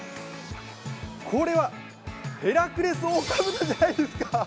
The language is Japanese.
これはヘラクレスオオカブトじゃないですか！